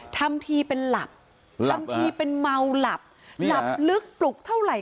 ทำทีเป็นหลับทำทีเป็นเมาหลับหลับลึกปลุกเท่าไหร่